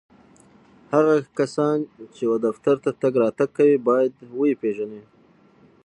هغه کسان چي و دفتر ته تګ راتګ کوي ، باید و یې پېژني